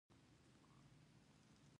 د دیر له خان سره یې د جنګ لپاره لاس یو کړ.